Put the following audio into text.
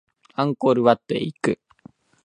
アンコールワットへ行く